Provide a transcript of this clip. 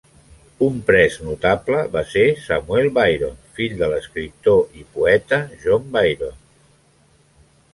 Un pres notable va ser Samuel Byrom, fill de l'escriptor i poeta John Byrom.